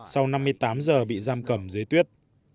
sau năm mươi tám giờ bị giam cầm dưới tuyết